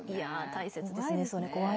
大切ですね。